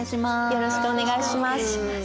よろしくお願いします。